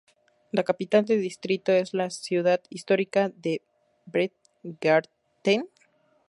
La capital del distrito es la ciudad histórica de Bremgarten.